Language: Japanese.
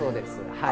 はい。